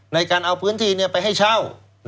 ในการเอาพื้นที่ไปให้เช่า